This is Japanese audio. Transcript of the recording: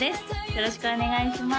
よろしくお願いします